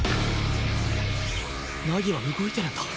凪は動いてるんだ